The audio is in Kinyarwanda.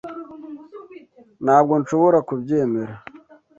Ntabwo nshobora kubyemera